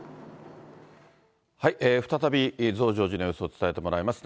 再び増上寺の様子を伝えてもらいます。